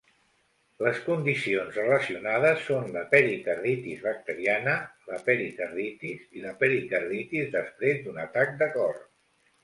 Les condicions relacionades són la pericarditis bacteriana, la pericarditis i la pericarditis després d'un atac de cor.